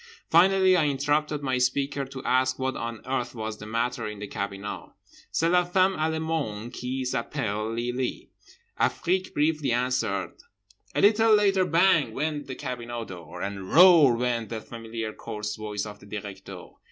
Finally I interrupted my speaker to ask what on earth was the matter in the cabinot?—"C'est la femme allemande qui s'appelle Lily," Afrique briefly answered. A little later BANG went the cabinot door, and ROAR went the familiar coarse voice of the Directeur.